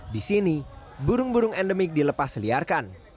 di sini burung burung endemik dilepas liarkan